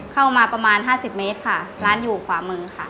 เข้ามาประมาณห้าสิบเมตรค่ะร้านอยู่ขวามือค่ะ